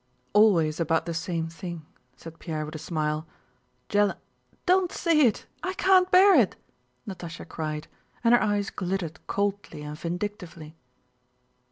"Always about the same thing," said Pierre with a smile. "Jealo..." "Don't say it! I can't bear it!" Natásha cried, and her eyes glittered coldly and vindictively.